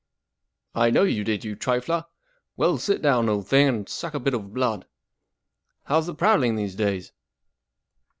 44 I know you did, you trifler. Well, sit down, old thing, and suck a bit of blood. How's the prowling these day's